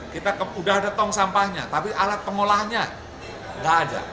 kita udah ada tong sampahnya tapi alat pengolahannya nggak ada